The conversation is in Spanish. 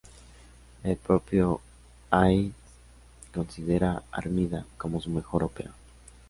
El propio Haydn consideraba "Armida" como su mejor ópera.